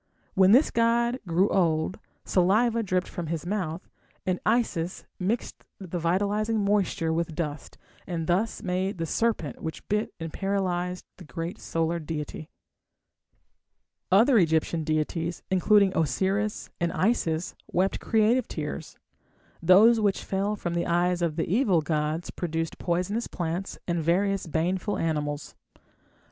When this god grew old saliva dripped from his mouth, and Isis mixed the vitalizing moisture with dust, and thus made the serpent which bit and paralysed the great solar deity. Other Egyptian deities, including Osiris and Isis, wept creative tears. Those which fell from the eyes of the evil gods produced poisonous plants and various baneful animals.